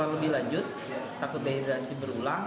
lebih lanjut takut dehidrasi berulang